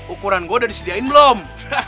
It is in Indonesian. ukuran gue udah disediain belum